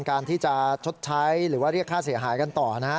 การที่จะชดใช้หรือว่าเรียกค่าเสียหายกันต่อนะฮะ